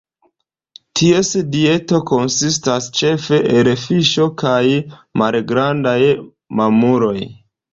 Ties dieto konsistas ĉefe el fiŝo kaj malgrandaj mamuloj.